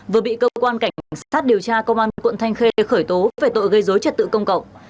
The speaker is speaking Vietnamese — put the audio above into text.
vừa bị cơ quan cảnh sát điều tra công an quận thanh khê khởi tố về tội gây dối trật tự công cộng